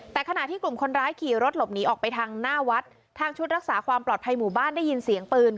แต่ขณะที่กลุ่มคนร้ายขี่รถหลบหนีออกไปทางหน้าวัดทางชุดรักษาความปลอดภัยหมู่บ้านได้ยินเสียงปืน